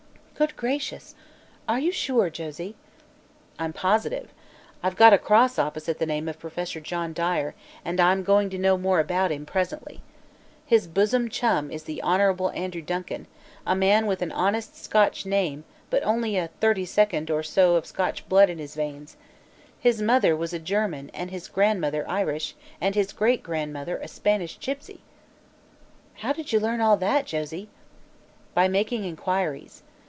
"Good gracious! Are you sure, Josie?" "I'm positive. I've got a cross opposite the name of Professor John Dyer, and I'm going to know more about him presently. His bosom chum is the Honorable Andrew Duncan, a man with an honest Scotch name but only a thirty second or so of Scotch blood in his veins. His mother was a German and his grandmother Irish and his greatgrandmother a Spanish gipsy." "How did you learn all that, Josie?" "By making inquiries.